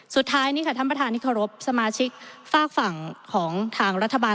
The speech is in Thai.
สุดท้ายนี่ค่ะท่านประธานที่เคารพสมาชิกฝากฝั่งของทางรัฐบาล